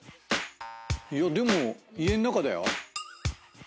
いやでも家ん中だよ。